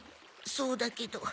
そうだけど。